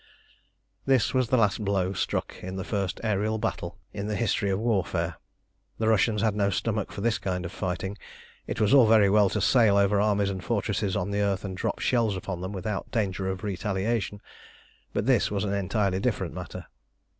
This was the last blow struck in the first aërial battle in the history of warfare. The Russians had no stomach for this kind of fighting. It was all very well to sail over armies and fortresses on the earth and drop shells upon them without danger of retaliation; but this was an entirely different matter.